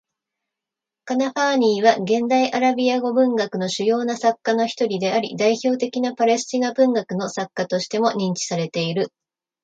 カナファーニーは、現代アラビア語文学の主要な作家の一人であり、代表的なパレスチナ文学の作家としても認知されている。